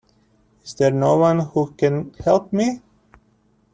Is there no one who can help me?